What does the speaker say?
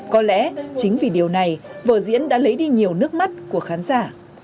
có lẽ chính vì điều này vở diễn đã lấy đi nhiều nước mắt của khán giả